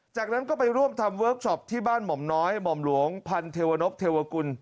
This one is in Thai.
จากนั้นก็ไปร่วมทำเวิร์คชอปที่บ้านหม่อมน้อยหม่อมหลวงพันเทวนพเทวกุล